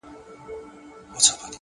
هوډ د وېرې دیوال نړوي.!